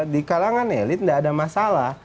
di kalangan elit tidak ada masalah